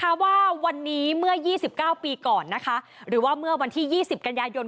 คะว่าวันนี้เมื่อ๒๙ปีก่อนนะคะหรือว่าเมื่อวันที่๒๐กันยายน